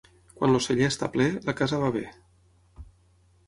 Quan el celler està ple, la casa va bé.